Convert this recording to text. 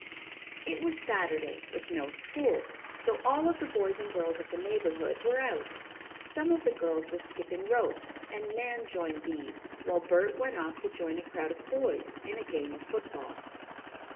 It was Saturday, with no school, so all of the boys and girls of the neighborhood were out. Some of the girls were skipping rope, and Nan joined these, while Bert went off to join a crowd of boys in a game of football.